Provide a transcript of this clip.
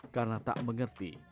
karena tak mengerti